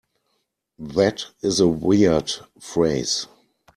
That is a weird phrase.